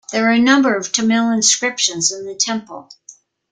There are a number of Tamil inscriptions in the temple.